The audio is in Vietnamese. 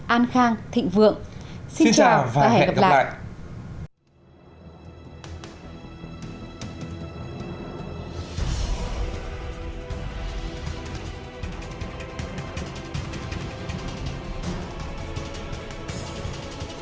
an khang thịnh vượng xin chào và hẹn gặp lại